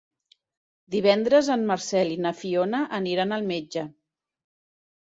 Divendres en Marcel i na Fiona aniran al metge.